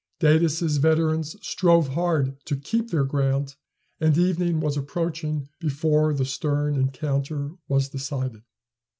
Datis' veterans strove hard to keep their ground, and evening was approaching before the stern encounter was decided.